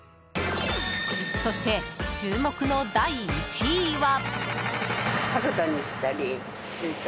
そして注目の第１位は。